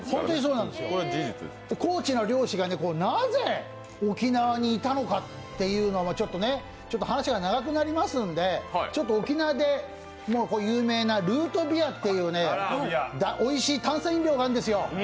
高知の漁師がなぜ、沖縄にいたのかというのは、ちょっと話が長くなりますので、沖縄で有名なルートビアというおいしい炭酸飲料があるんですよ。